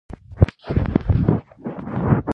په ژړغوني غږ يې وويل.